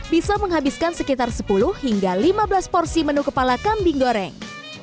bisa menghabiskan sekitar sepuluh hingga lima belas porsi menu kepala kambing goreng